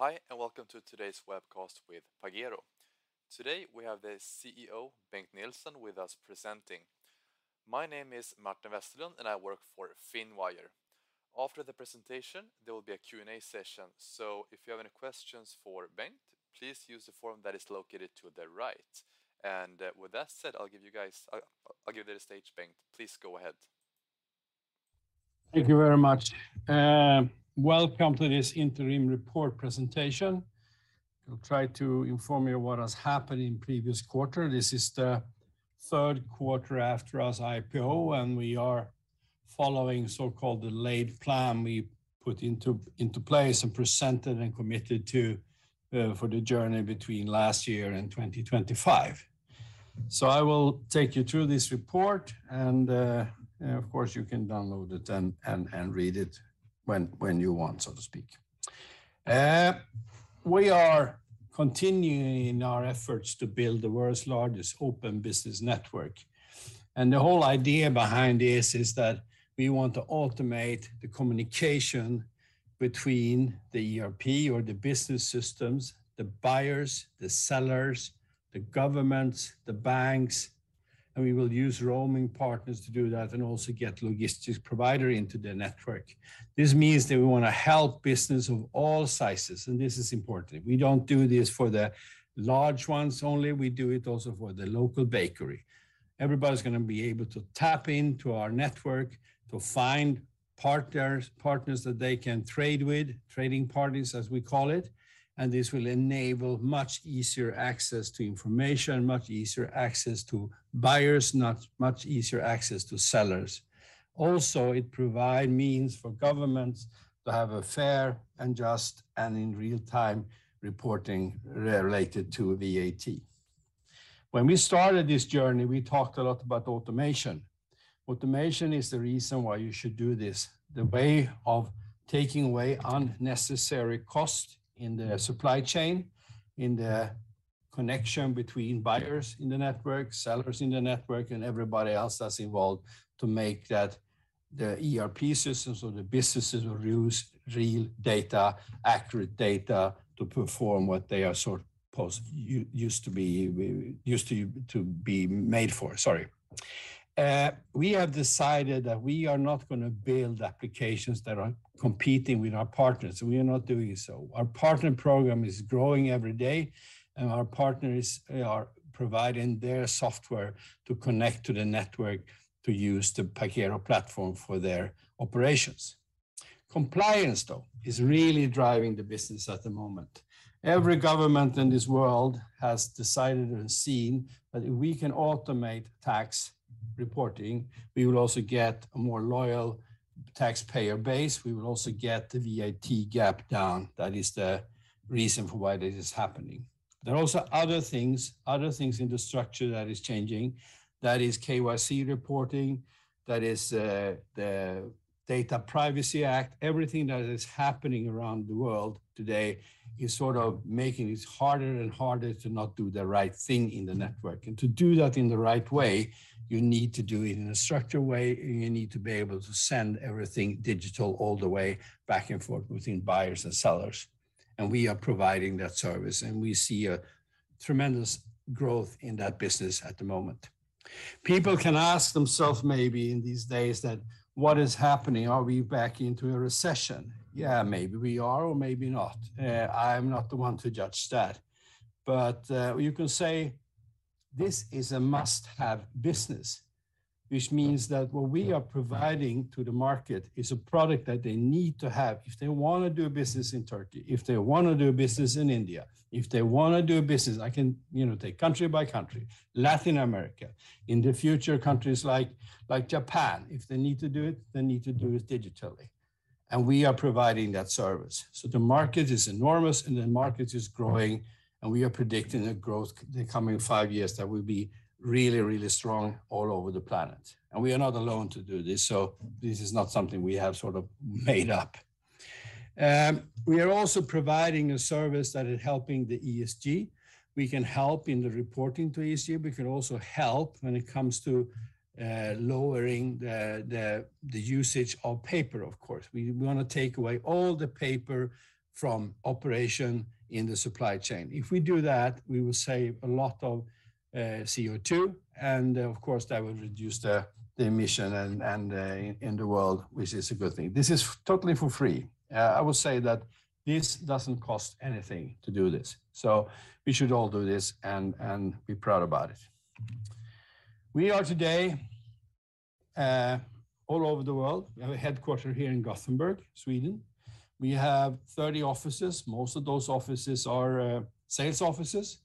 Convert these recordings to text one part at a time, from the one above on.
Hi, and welcome to today's webcast with Pagero. Today, we have the CEO, Bengt Nilsson, with us presenting. My name is Martin Westerlund, and I work for Finwire. After the presentation, there will be a Q&A session, so if you have any questions for Bengt, please use the form that is located to the right. With that said, I'll give the stage, Bengt. Please go ahead. Thank you very much. Welcome to this interim report presentation. I'll try to inform you what has happened in previous quarter. This is the third quarter after our IPO, and we are following so-called delayed plan we put into place and presented and committed to for the journey between last year and 2025. I will take you through this report, and of course, you can download it and read it when you want, so to speak. We are continuing our efforts to build the world's largest open business network. The whole idea behind this is that we want to automate the communication between the ERP or the business systems, the buyers, the sellers, the governments, the banks, and we will use roaming partners to do that and also get logistics provider into the network. This means that we wanna help business of all sizes, and this is important. We don't do this for the large ones only. We do it also for the local bakery. Everybody's gonna be able to tap into our network to find partners that they can trade with, trading parties, as we call it, and this will enable much easier access to information, much easier access to buyers, much easier access to sellers. Also, it provide means for governments to have a fair and just and in real-time reporting related to VAT. When we started this journey, we talked a lot about automation. Automation is the reason why you should do this. The way of taking away unnecessary cost in the supply chain, in the connection between buyers in the network, sellers in the network, and everybody else that's involved to make that the ERP systems or the businesses will use real data, accurate data to perform what they are supposed to be used for. Sorry. We have decided that we are not gonna build applications that are competing with our partners. We are not doing so. Our partner program is growing every day, and our partners are providing their software to connect to the network to use the Pagero platform for their operations. Compliance, though, is really driving the business at the moment. Every government in this world has decided and seen that if we can automate tax reporting, we will also get a more loyal taxpayer base. We will also get the VAT gap down. That is the reason for why this is happening. There are also other things in the structure that is changing. That is KYC reporting. That is, the Data Privacy Act. Everything that is happening around the world today is sort of making this harder and harder to not do the right thing in the network. To do that in the right way, you need to do it in a structured way, and you need to be able to send everything digital all the way back and forth between buyers and sellers. We are providing that service, and we see a tremendous growth in that business at the moment. People can ask themselves maybe in these days that what is happening? Are we back into a recession? Yeah, maybe we are or maybe not. I'm not the one to judge that. You can say this is a must-have business, which means that what we are providing to the market is a product that they need to have. If they wanna do business in Turkey, if they wanna do business in India, if they wanna do business, I can, you know, take country by country, Latin America. In the future, countries like Japan, if they need to do it, they need to do it digitally, and we are providing that service. The market is enormous, and the market is growing, and we are predicting a growth the coming five years that will be really, really strong all over the planet. We are not alone to do this, so this is not something we have sort of made up. We are also providing a service that is helping the ESG. We can help in the reporting to ESG. We can also help when it comes to lowering the usage of paper, of course. We wanna take away all the paper from operations in the supply chain. If we do that, we will save a lot of CO2, and of course, that will reduce the emissions in the world, which is a good thing. This is totally for free. I will say that this doesn't cost anything to do this, so we should all do this and be proud about it. We are today all over the world. We have a headquarters here in Gothenburg, Sweden. We have 30 offices. Most of those offices are sales offices.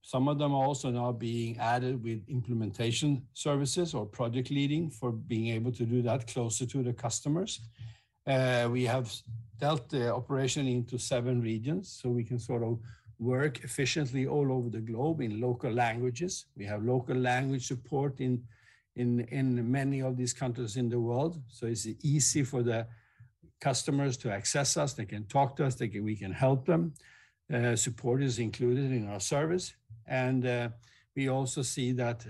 Some of them are also now being added with implementation services or project leading for being able to do that closer to the customers. We have dealt the operation into seven regions, so we can sort of work efficiently all over the globe in local languages. We have local language support in many of these countries in the world, so it's easy for the customers to access us. They can talk to us. We can help them. Support is included in our service. We also see that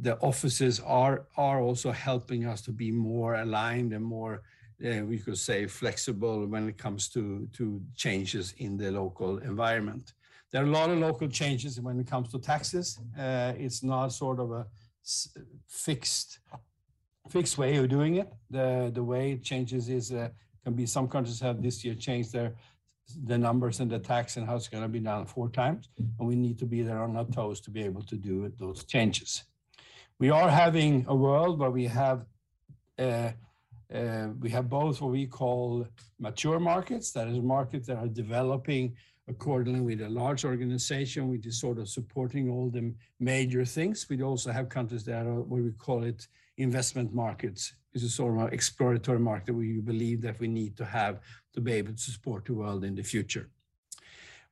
the offices are also helping us to be more aligned and more, we could say flexible when it comes to changes in the local environment. There are a lot of local changes when it comes to taxes. It's not sort of a fixed way of doing it. The way it changes is that some countries have this year changed their numbers and the tax and how it's gonna be done four times, and we need to be on our toes to be able to do those changes. We are having a world where we have both what we call mature markets. That is markets that are developing accordingly with a large organization. We just sort of supporting all the major things. We also have countries that are we would call it investment markets. This is sort of our exploratory market where we believe that we need to have to be able to support the world in the future.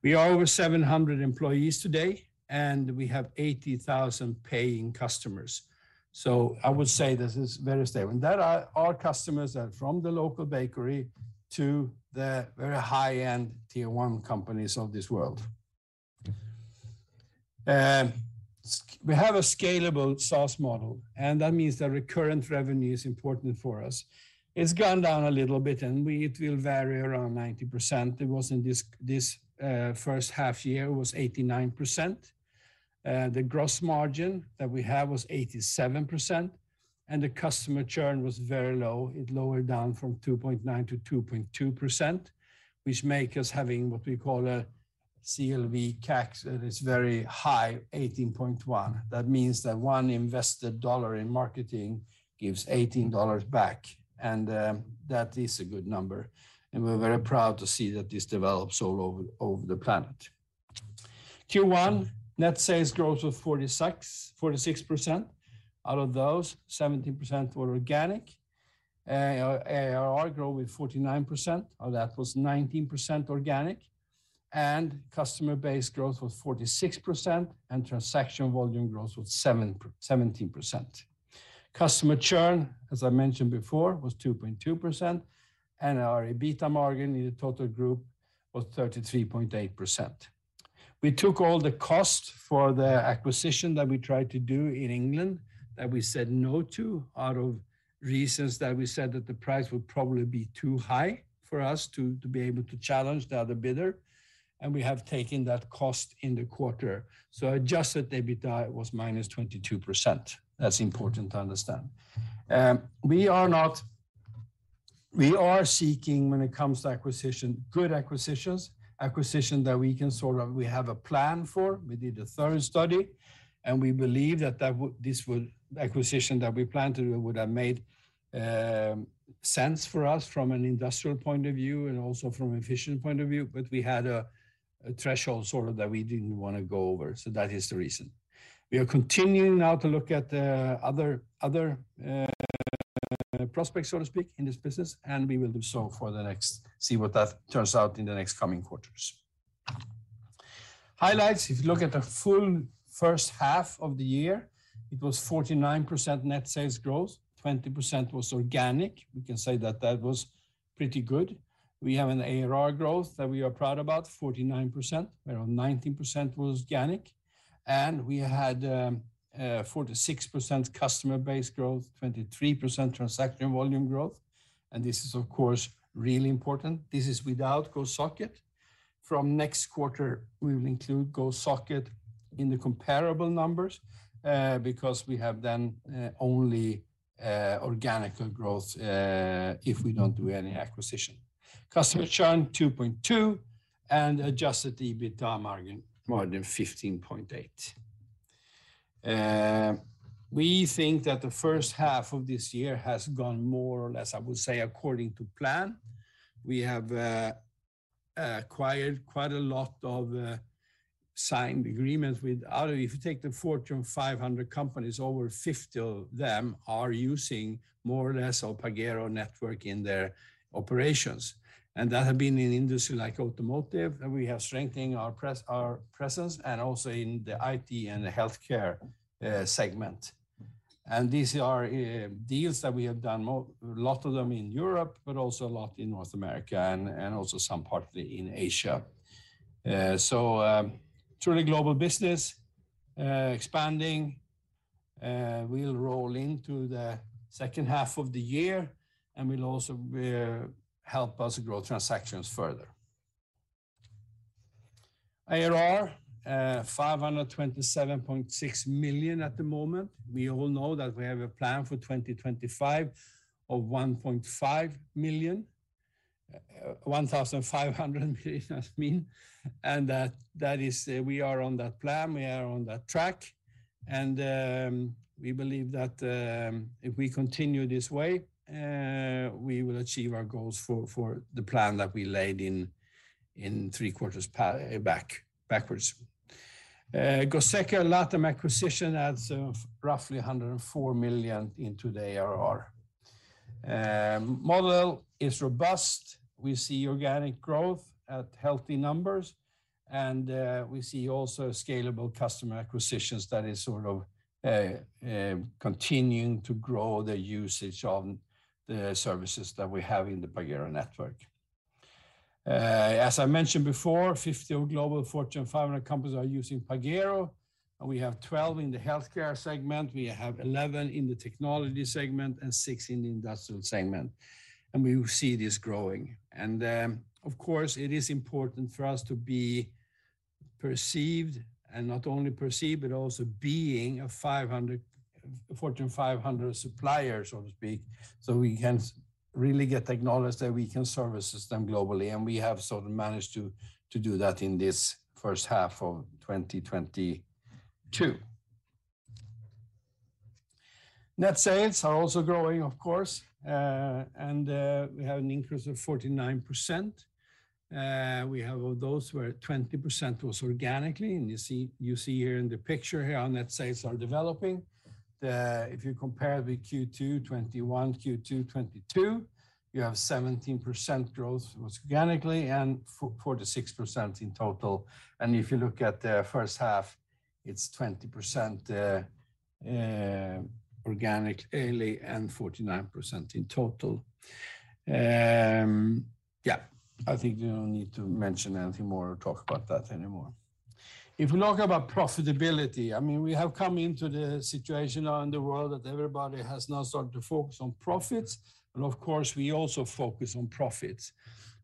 We are over 700 employees today, and we have 80,000 paying customers. I would say this is very stable. Our customers are from the local bakery to the very high-end tier one companies of this world. We have a scalable SaaS model, and that means the recurrent revenue is important for us. It's gone down a little bit, and it will vary around 90%. It was in this first half year 89%. The gross margin that we have was 87%, and the customer churn was very low. It lowered down from 2.9 to 2.2%, which make us having what we call a CLV/CAC that is very high, 18.1. That means that $1 invested in marketing gives $18 back, and that is a good number. We're very proud to see that this develops all over the planet. Q1 net sales growth was 46%. Out of those, 17% were organic. ARR grow with 49%, or that was 19% organic. Customer base growth was 46%, and transaction volume growth was 17%. Customer churn, as I mentioned before, was 2.2%, and our EBITDA margin in the total group was 33.8%. We took all the cost for the acquisition that we tried to do in England that we said no to out of reasons that we said that the price would probably be too high for us to be able to challenge the other bidder, and we have taken that cost in the quarter. Adjusted EBITDA was -22%. That's important to understand. We are seeking, when it comes to acquisition, good acquisitions that we can sort of have a plan for. We did a thorough study, and we believe that this acquisition that we plan to do would have made sense for us from an industrial point of view and also from efficient point of view. We had a threshold sort of that we didn't wanna go over, that is the reason. We are continuing now to look at other prospects, so to speak, in this business, and we will do so for the next coming quarters. See what that turns out in the next coming quarters. Highlights, if you look at the full first half of the year, it was 49% net sales growth, 20% was organic. We can say that was pretty good. We have an ARR growth that we are proud about, 49%, where 19% was organic. We had 46% customer base growth, 23% transaction volume growth, and this is of course really important. This is without Gosocket. From next quarter, we will include Gosocket in the comparable numbers, because we have then only organic growth, if we don't do any acquisition. Customer churn 2.2%, and adjusted EBITDA margin more than 15.8%. We think that the first half of this year has gone more or less, I would say, according to plan. We have acquired quite a lot of signed agreements with other. If you take the Fortune 500 companies, over 50 of them are using more or less our Pagero Network in their operations. That have been in industry like automotive, and we have strengthened our presence and also in the IT and the healthcare segment. These are deals that we have done a lot of them in Europe, but also a lot in North America and also some partly in Asia. Truly global business expanding will roll into the second half of the year and will also help us grow transactions further. ARR 527.6 million at the moment. We all know that we have a plan for 2025 of 1.5 million, 1,500 million I mean, and that is, we are on that plan. We are on that track. We believe that, if we continue this way, we will achieve our goals for the plan that we laid in three quarters back. Gosocket Latam acquisition adds roughly 104 million into the ARR. Model is robust. We see organic growth at healthy numbers, and we see also scalable customer acquisitions that is sort of continuing to grow the usage of the services that we have in the Pagero Network. As I mentioned before, 50 of global Fortune 500 companies are using Pagero, and we have 12 in the healthcare segment, we have 11 in the technology segment, and 6 in the industrial segment. We will see this growing. Of course, it is important for us to be perceived, and not only perceived, but also being a Fortune 500 supplier, so to speak, so we can really get acknowledged that we can service them globally. We have sort of managed to do that in this first half of 2022. Net sales are also growing, of course, and we have an increase of 49%. We have of those where 20% was organically, and you see here in the picture here our net sales are developing. If you compare with Q2 2021, Q2 2022, you have 17% growth was organically and 46% in total. If you look at the first half, it's 20%, organically and 49% in total. Yeah, I think we don't need to mention anything more or talk about that anymore. If we talk about profitability, I mean, we have come into the situation now in the world that everybody has now started to focus on profits, and of course, we also focus on profits.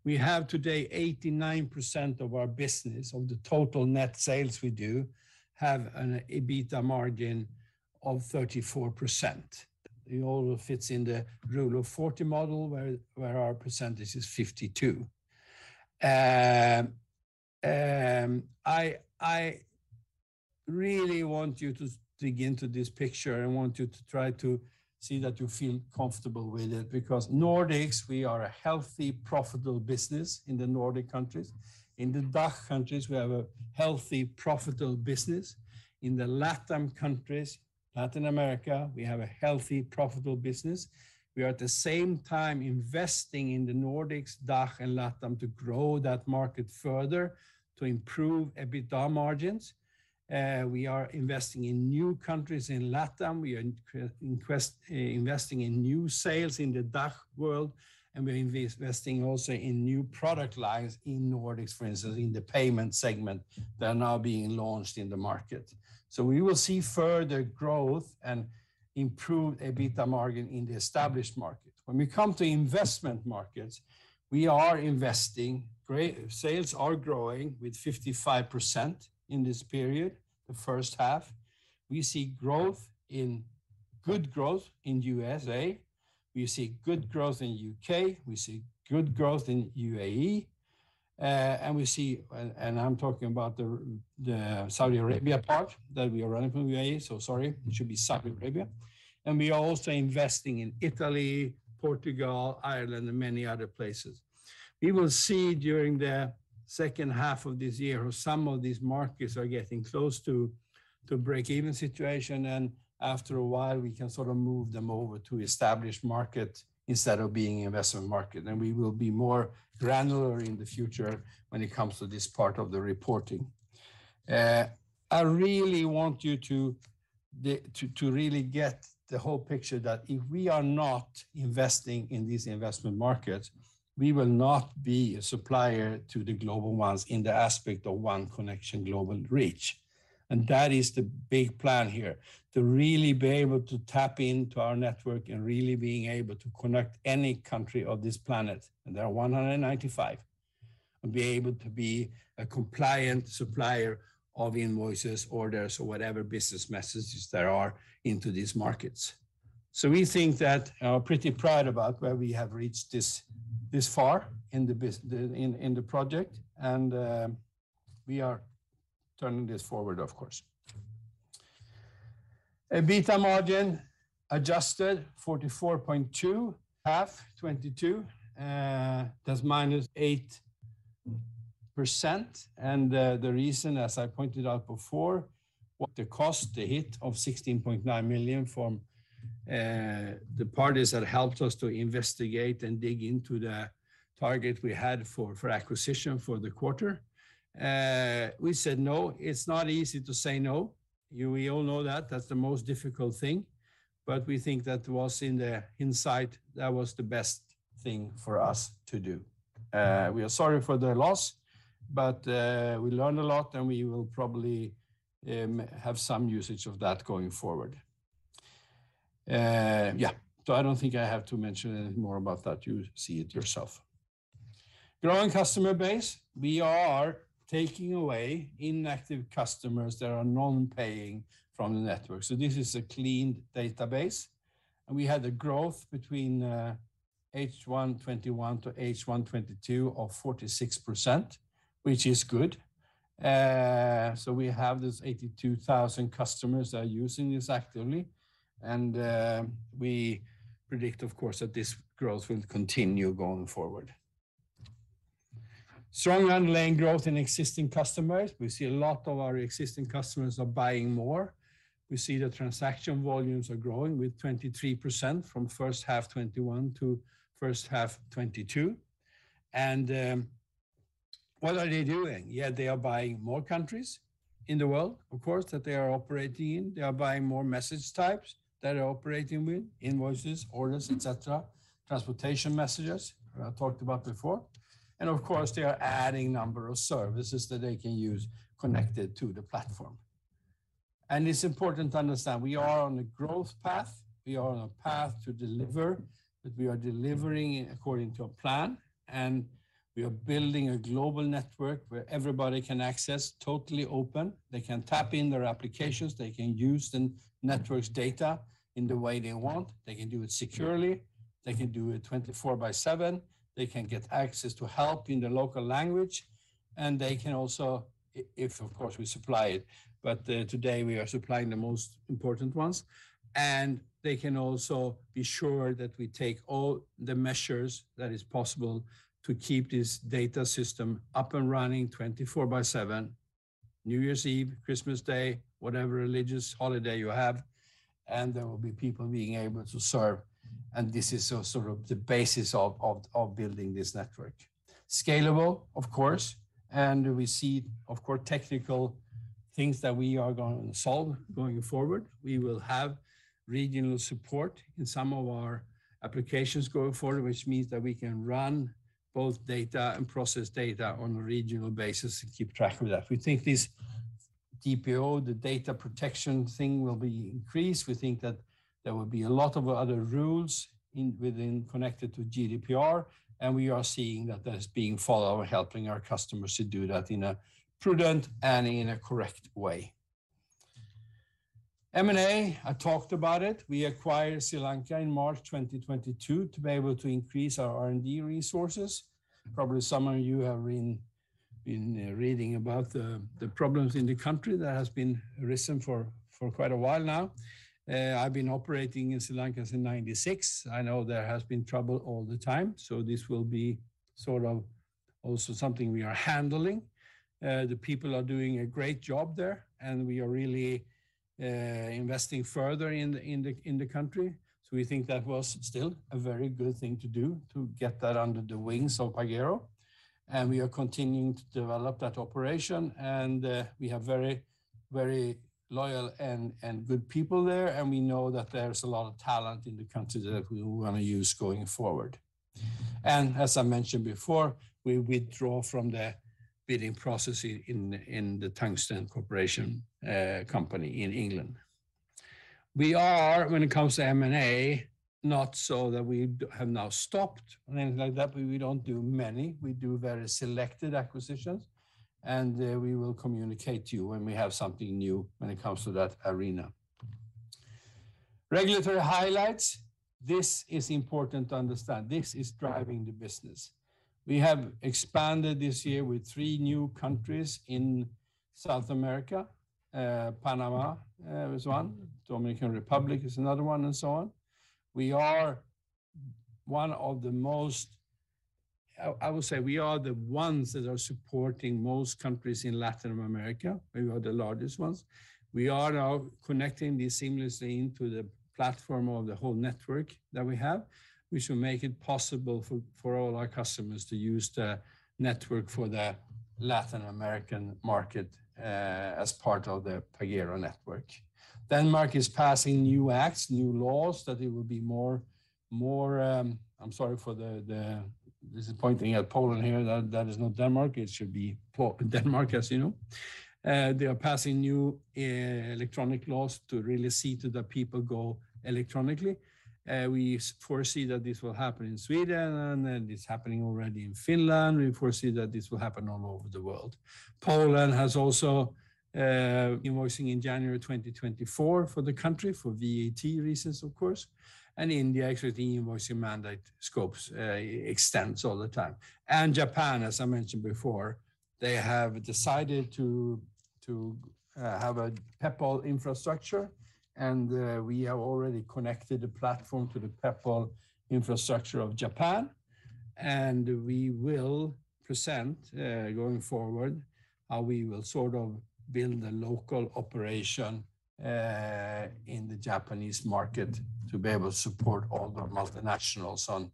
We have today 89% of our business, of the total net sales we do, have an EBITDA margin of 34%. It all fits in the rule of forty model, where our percentage is 52. I really want you to dig into this picture. I want you to try to see that you feel comfortable with it, because Nordics, we are a healthy, profitable business in the Nordic countries. In the DACH countries, we have a healthy, profitable business. In the LATAM countries, Latin America, we have a healthy, profitable business. We are at the same time investing in the Nordics, DACH, and LATAM to grow that market further, to improve EBITDA margins. We are investing in new countries in LATAM. We are investing in new sales in the DACH world, and we're investing also in new product lines in Nordics, for instance, in the payment segment that are now being launched in the market. We will see further growth and improved EBITDA margin in the established market. When we come to investment markets, we are investing. Sales are growing with 55% in this period, the first half. We see good growth in USA. We see good growth in U.K. We see good growth in UAE, and I'm talking about the Saudi Arabia part that we are running from UAE. Sorry, it should be Saudi Arabia. We are also investing in Italy, Portugal, Ireland, and many other places. We will see during the second half of this year some of these markets are getting close to breakeven situation. After a while, we can sort of move them over to established market instead of being investment market. We will be more granular in the future when it comes to this part of the reporting. I really want you to really get the whole picture that if we are not investing in these investment markets, we will not be a supplier to the global ones in the aspect of one connection global reach. That is the big plan here, to really be able to tap into our network and really being able to connect any country of this planet, and there are 195, and be able to be a compliant supplier of invoices, orders, or whatever business messages there are into these markets. We think that are pretty proud about where we have reached this far in the project. We are turning this forward, of course. EBITDA margin adjusted 44.2. Half 2022, that's -8%. The reason, as I pointed out before, was the cost, the hit of 16.9 million from the parties that helped us to investigate and dig into the target we had for acquisition for the quarter. We said no. It's not easy to say no. We all know that. That's the most difficult thing. We think that was in the insight, that was the best thing for us to do. We are sorry for the loss, but we learned a lot and we will probably have some usage of that going forward. I don't think I have to mention anything more about that. You see it yourself. Growing customer base, we are taking away inactive customers that are non-paying from the network. This is a clean database. We had a growth between H1 2021 to H1 2022 of 46%, which is good. We have this 82,000 customers that are using this actively. We predict, of course, that this growth will continue going forward. Strong underlying growth in existing customers. We see a lot of our existing customers are buying more. We see the transaction volumes are growing with 23% from first half 2021 to first half 2022. What are they doing? Yeah, they are buying more countries in the world, of course, that they are operating in. They are buying more message types that are operating with, invoices, orders, et cetera, transportation messages that I talked about before. Of course, they are adding number of services that they can use connected to the platform. It's important to understand, we are on a growth path. We are on a path to deliver, but we are delivering according to a plan, and we are building a global network where everybody can access totally open. They can tap in their applications. They can use the network's data in the way they want. They can do it securely. They can do it 24/7. They can get access to help in the local language. They can also, if of course we supply it, but today we are supplying the most important ones. They can also be sure that we take all the measures that is possible to keep this data system up and running 24/7, New Year's Eve, Christmas Day, whatever religious holiday you have, and there will be people being able to serve. This is sort of the basis of building this network. Scalable, of course, and we see, of course, technical things that we are going to solve going forward. We will have regional support in some of our applications going forward, which means that we can run both data and process data on a regional basis to keep track of that. We think this DPO, the data protection thing, will be increased. We think that there will be a lot of other rules within connected to GDPR, and we are seeing that that is being followed, helping our customers to do that in a prudent and in a correct way. M&A, I talked about it. We acquired Sri Lanka in March 2022 to be able to increase our R&D resources. Probably some of you have been reading about the problems in the country that has arisen for quite a while now. I've been operating in Sri Lanka since 1996. I know there has been trouble all the time, so this will be sort of also something we are handling. The people are doing a great job there, and we are really investing further in the country. We think that was still a very good thing to do to get that under the wings of Pagero. We are continuing to develop that operation, and we have very loyal and good people there, and we know that there's a lot of talent in the country that we want to use going forward. As I mentioned before, we withdraw from the bidding process in the Tungsten Corporation company in England. We are, when it comes to M&A, not so that we have now stopped or anything like that, but we don't do many. We do very selected acquisitions, and we will communicate to you when we have something new when it comes to that arena. Regulatory highlights, this is important to understand. This is driving the business. We have expanded this year with three new countries in South America. Panama is one. Dominican Republic is another one, and so on. We are one of the most. I would say we are the ones that are supporting most countries in Latin America. We are the largest ones. We are now connecting this seamlessly into the platform of the whole network that we have, which will make it possible for all our customers to use the network for the Latin American market, as part of the Pagero Network. Denmark is passing new acts, new laws, that it will be more. I'm sorry for the. This is pointing at Poland here. That is not Denmark. It should be Denmark, as you know. They are passing new electronic laws to really see to it that the people go electronically. We foresee that this will happen in Sweden, and it's happening already in Finland. We foresee that this will happen all over the world. Poland has also e-invoicing in January 2024 for the country for VAT reasons, of course. India, actually, the e-invoicing mandate scope extends all the time. Japan, as I mentioned before, they have decided to have a Peppol infrastructure, and we have already connected the platform to the Peppol infrastructure of Japan. We will be present going forward, we will sort of build a local operation in the Japanese market to be able to support all the multinationals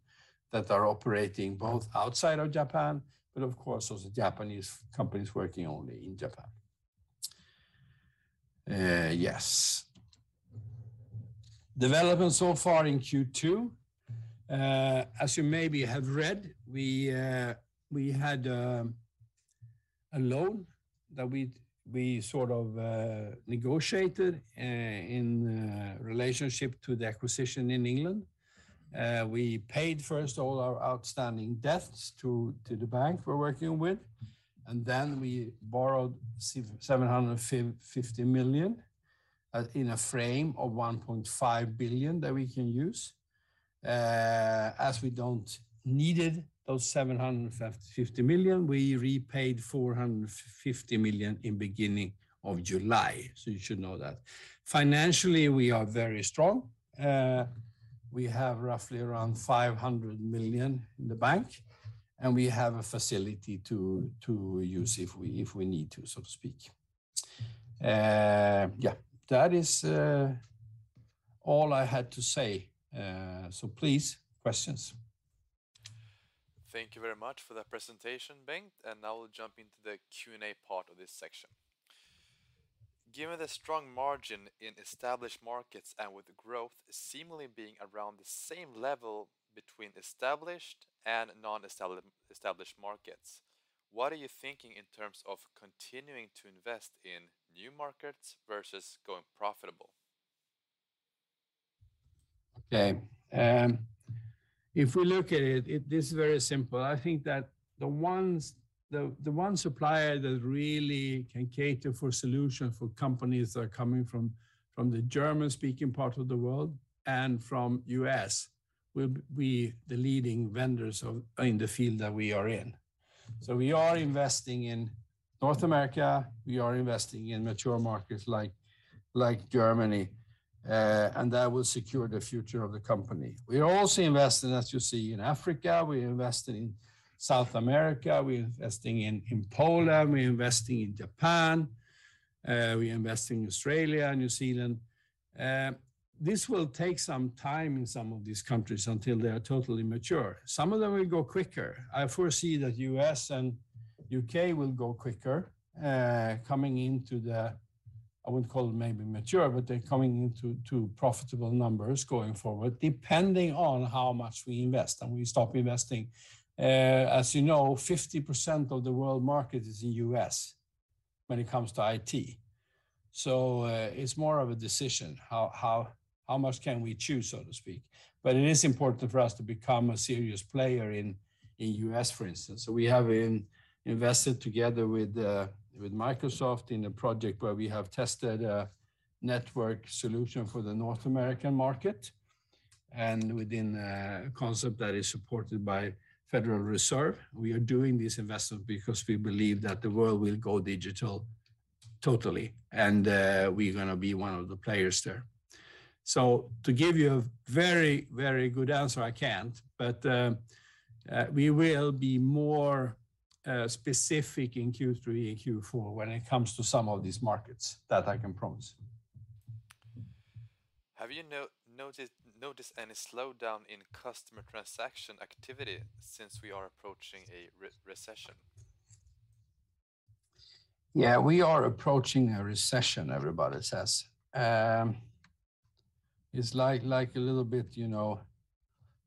that are operating both outside of Japan, but of course, also Japanese companies working only in Japan. Yes. Development so far in Q2, as you maybe have read, we had a loan that we sort of negotiated in relationship to the acquisition in England. We paid first all our outstanding debts to the bank we're working with, and then we borrowed 750 million in a frame of 1.5 billion that we can use. As we don't needed those 750 million, we repaid 450 million in beginning of July. You should know that. Financially, we are very strong. We have roughly around 500 million in the bank, and we have a facility to use if we need to, so to speak. Yeah, that is all I had to say. Please, questions. Thank you very much for that presentation, Bengt, and now we'll jump into the Q&A part of this section. Given the strong margin in established markets and with the growth seemingly being around the same level between established and non-established markets, what are you thinking in terms of continuing to invest in new markets versus going profitable? Okay. If we look at it is very simple. I think that the one supplier that really can cater for solution for companies that are coming from the German-speaking part of the world and from U.S. will be the leading vendors of, in the field that we are in. We are investing in North America, we are investing in mature markets like Germany, and that will secure the future of the company. We are also investing, as you see, in Africa, we're investing in South America, we're investing in Poland, we're investing in Japan, we invest in Australia and New Zealand. This will take some time in some of these countries until they are totally mature. Some of them will go quicker. I foresee that U.S. and U.K. will go quicker, coming into the. I wouldn't call it maybe mature, but they're coming into to profitable numbers going forward, depending on how much we invest, and we stop investing. As you know, 50% of the world market is in U.S. when it comes to IT. It's more of a decision, how much can we choose, so to speak. But it is important for us to become a serious player in U.S., for instance. We have invested together with Microsoft in a project where we have tested a network solution for the North American market, and within a concept that is supported by Federal Reserve. We are doing these investments because we believe that the world will go digital totally, and we're gonna be one of the players there. To give you a very, very good answer, I can't. We will be more specific in Q3 and Q4 when it comes to some of these markets, that I can promise. Have you noticed any slowdown in customer transaction activity since we are approaching a recession? Yeah. We are approaching a recession, everybody says. It's like a little bit, you know,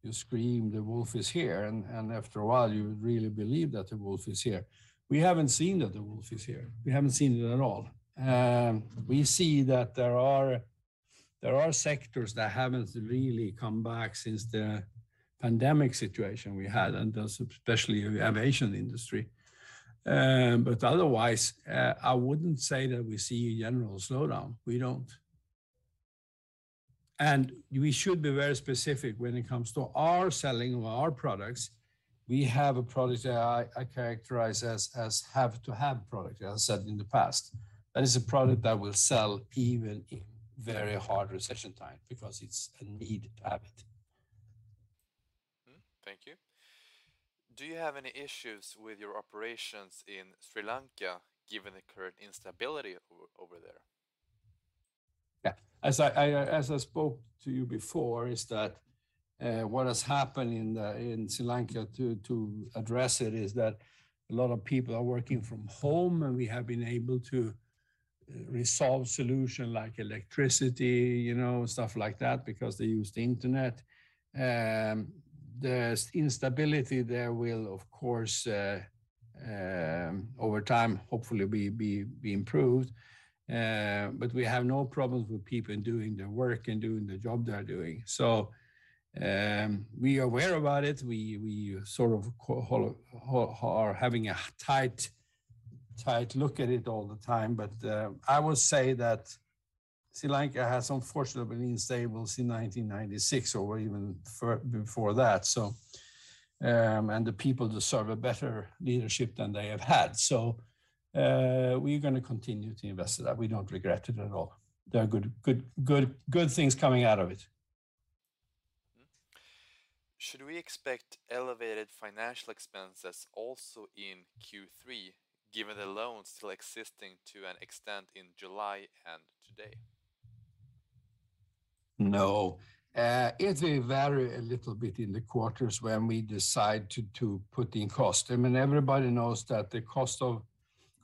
you scream, "The wolf is here," and after a while, you really believe that the wolf is here. We haven't seen that the wolf is here. We haven't seen it at all. We see that there are sectors that haven't really come back since the pandemic situation we had, and especially aviation industry. Otherwise, I wouldn't say that we see a general slowdown. We don't. We should be very specific when it comes to our selling of our products. We have a product that I characterize as have-to-have product, as I said in the past. That is a product that will sell even in very hard recession time because it's a need to have it. Thank you. Do you have any issues with your operations in Sri Lanka, given the current instability over there? As I spoke to you before, what has happened in Sri Lanka to address it is that a lot of people are working from home, and we have been able to resolve situations like electricity, you know, stuff like that because they use the internet. The instability there will of course over time, hopefully be improved. We have no problems with people doing their work and doing the job they are doing. We are aware about it. We sort of are having a tight look at it all the time. I would say that Sri Lanka has unfortunately been unstable since 1996 or even before that. The people deserve a better leadership than they have had. We're gonna continue to invest in that. We don't regret it at all. There are good things coming out of it. Should we expect elevated financial expenses also in Q3, given the loans still existing to an extent in July and today? No. It will vary a little bit in the quarters when we decide to put in cost. I mean, everybody knows that the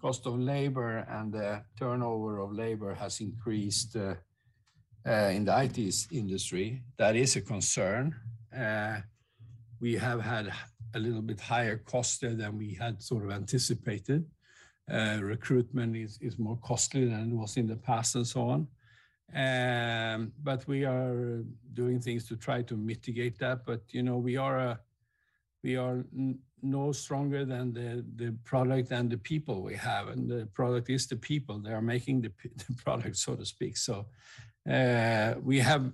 cost of labor and the turnover of labor has increased in the IT industry. That is a concern. We have had a little bit higher cost there than we had sort of anticipated. Recruitment is more costly than it was in the past, and so on. We are doing things to try to mitigate that. You know, we are no stronger than the product and the people we have, and the product is the people. They are making the product, so to speak. We have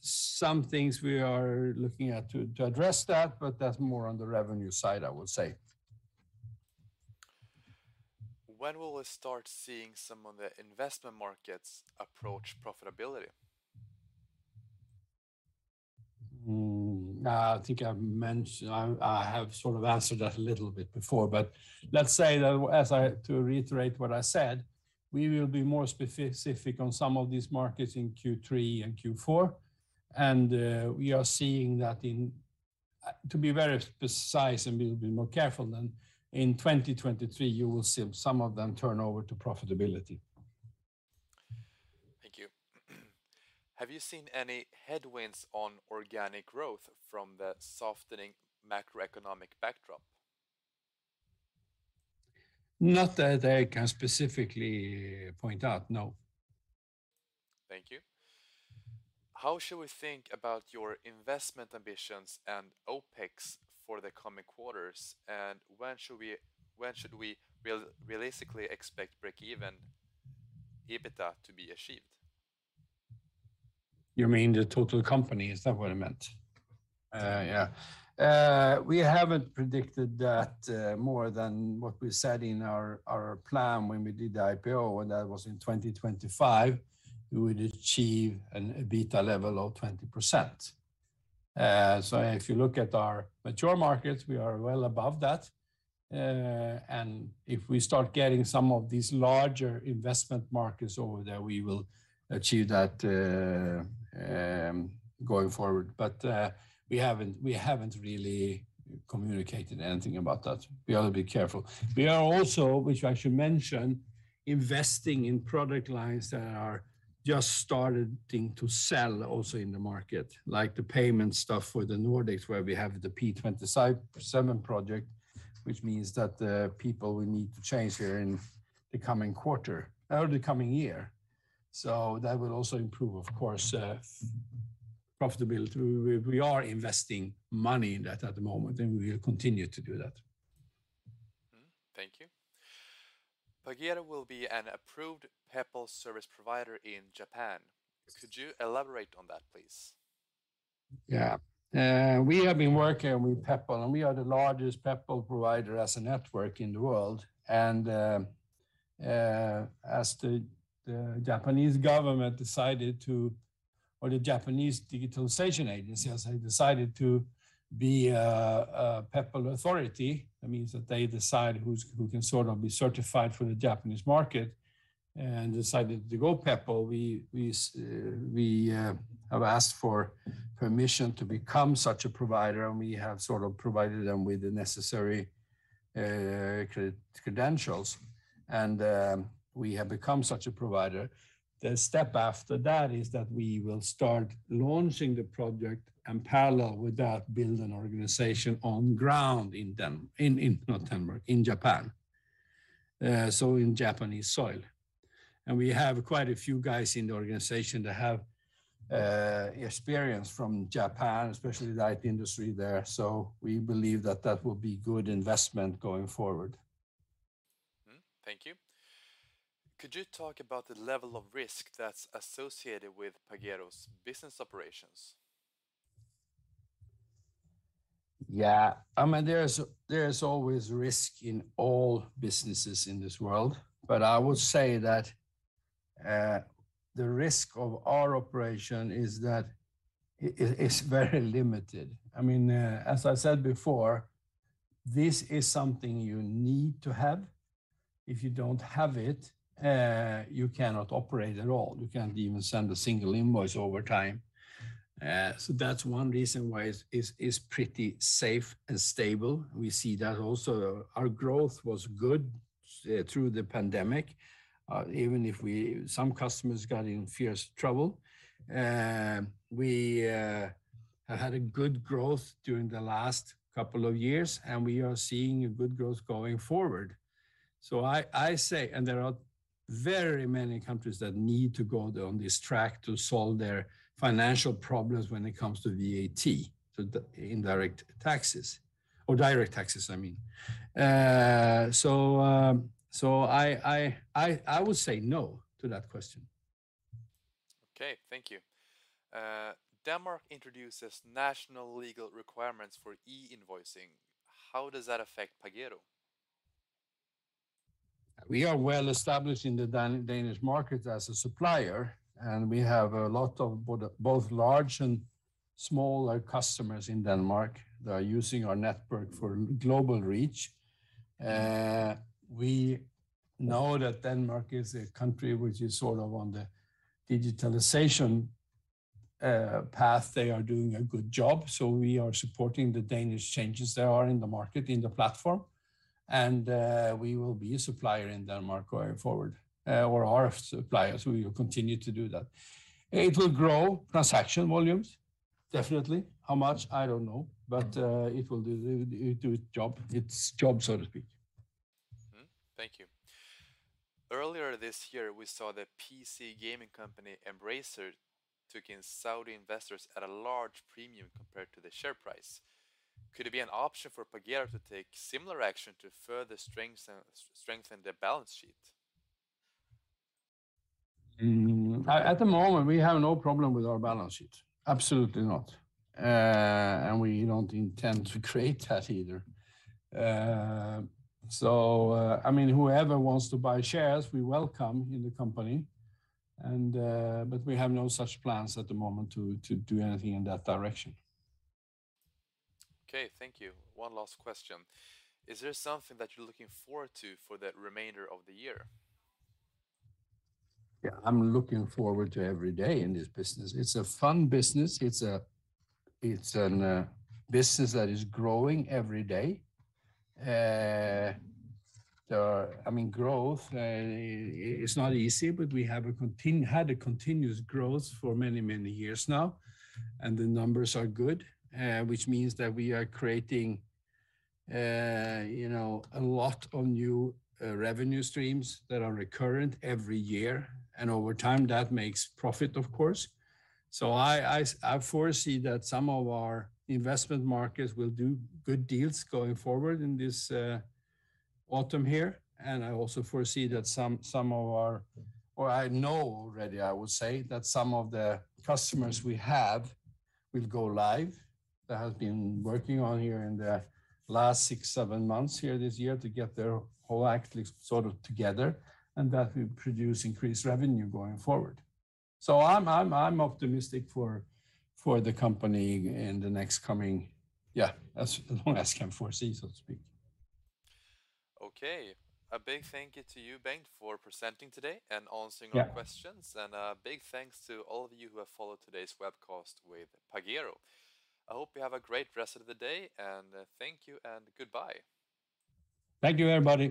some things we are looking at to address that, but that's more on the revenue side, I would say. When will we start seeing some of the investment markets approach profitability? I think I have sort of answered that a little bit before, but let's say that to reiterate what I said, we will be more specific on some of these markets in Q3 and Q4, and we are seeing that. To be very precise and be a bit more careful then, in 2023, you will see some of them turn over to profitability. Thank you. Have you seen any headwinds on organic growth from the softening macroeconomic backdrop? Not that I can specifically point out, no. Thank you. How should we think about your investment ambitions and OpEx for the coming quarters, and when should we realistically expect breakeven EBITDA to be achieved? You mean the total company? Is that what it meant? Yeah. We haven't predicted that more than what we said in our plan when we did the IPO, and that was in 2025, we would achieve an EBITDA level of 20%. If you look at our mature markets, we are well above that. If we start getting some of these larger investment markets over there, we will achieve that going forward. We haven't really communicated anything about that. We ought to be careful. We are also, which I should mention, investing in product lines that are just starting to sell also in the market, like the payment stuff for the Nordics, where we have the P27 project, which means that the payments we need to change here in the coming quarter or the coming year. That will also improve, of course, profitability. We are investing money in that at the moment, and we will continue to do that. Thank you. Pagero will be an approved Peppol service provider in Japan. Could you elaborate on that, please? Yeah. We have been working with Peppol, and we are the largest Peppol provider as a network in the world. As the Japanese Digital Agency decided to be a Peppol authority, that means that they decide who can sort of be certified for the Japanese market, and decided to go Peppol. We have asked for permission to become such a provider, and we have sort of provided them with the necessary credentials, and we have become such a provider. The step after that is that we will start launching the project and parallel with that, build an organization on the ground in Japan. In Japanese soil. We have quite a few guys in the organization that have experience from Japan, especially the IT industry there. We believe that will be good investment going forward. Thank you. Could you talk about the level of risk that's associated with Pagero's business operations? Yeah. I mean, there is always risk in all businesses in this world. I would say that the risk of our operation is that it is very limited. I mean, as I said before, this is something you need to have. If you don't have it, you cannot operate at all. You can't even send a single invoice over time. So that's one reason why it's pretty safe and stable. We see that also our growth was good through the pandemic, even if some customers got in fierce trouble. We had a good growth during the last couple of years, and we are seeing a good growth going forward. I say, and there are very many countries that need to go on this track to solve their financial problems when it comes to VAT, to the indirect taxes, or direct taxes, I mean. I would say no to that question. Okay. Thank you. Denmark introduces national legal requirements for e-invoicing. How does that affect Pagero? We are well established in the Danish market as a supplier, and we have a lot of both large and smaller customers in Denmark that are using our network for global reach. We know that Denmark is a country which is sort of on the digitalization path. They are doing a good job, so we are supporting the Danish changes that are in the market, in the platform. We will be a supplier in Denmark going forward, or are suppliers. We will continue to do that. It will grow transaction volumes, definitely. How much? I don't know. It will do its job. Its job, so to speak. Thank you. Earlier this year, we saw the PC gaming company Embracer Group took in Saudi investors at a large premium compared to the share price. Could it be an option for Pagero to take similar action to further strengthen their balance sheet? At the moment, we have no problem with our balance sheet. Absolutely not. We don't intend to create that either. I mean, whoever wants to buy shares, we welcome in the company, but we have no such plans at the moment to do anything in that direction. Okay. Thank you. One last question. Is there something that you're looking forward to for the remainder of the year? Yeah. I'm looking forward to every day in this business. It's a fun business. It's a business that is growing every day. I mean, growth, it's not easy, but we have had a continuous growth for many, many years now, and the numbers are good, which means that we are creating, you know, a lot of new revenue streams that are recurrent every year. Over time, that makes profit, of course. I foresee that some of our investment markets will do good deals going forward in this autumn here. I also foresee that some of our I know already, I would say, that some of the customers we have will go live, that have been working on here in the last 6, 7 months here this year to get their whole act sort of together, and that will produce increased revenue going forward. I'm optimistic for the company in the next coming. Yeah, as long as I can foresee, so to speak. Okay. A big thank you to you, Bengt, for presenting today and answering our questions. Yeah. A big thanks to all of you who have followed today's webcast with Pagero. I hope you have a great rest of the day, and thank you and goodbye. Thank you, everybody.